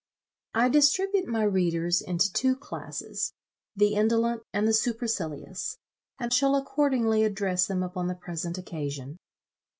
I distribute my readers into two classes, the indolent and the supercilious, and shall accordingly address them upon the present occasion.